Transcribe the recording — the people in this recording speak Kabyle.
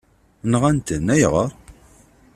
Nɣan-ten, ayɣer?